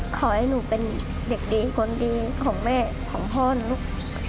ขอให้หนูเป็นเด็กดีคนดีของแม่ของพ่อนะลูก